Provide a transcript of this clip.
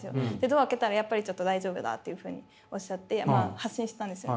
ドア開けたらやっぱりちょっと大丈夫だっていうふうにおっしゃって発進したんですよ。